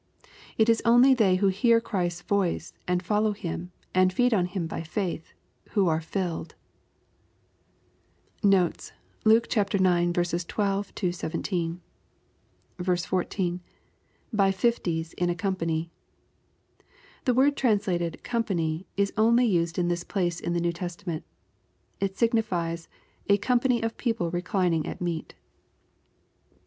It is only they who hear Christ's voice, and follow Him, and feed on Him by faith, who are "filled. Notes. Luke IX. 12 — 17. li. — [By fifties in a company.'] The word translated "company," is only used '.n this p ace in the New Testament. It signi^es " a company of people reclining at meat."